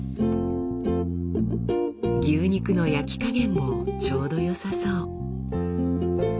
牛肉の焼き加減もちょうど良さそう。